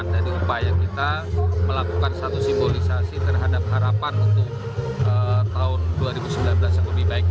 jadi upaya kita melakukan satu simbolisasi terhadap harapan untuk tahun dua ribu sembilan belas yang lebih baik